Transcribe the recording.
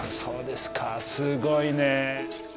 すごいね。